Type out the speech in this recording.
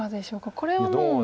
これはもう。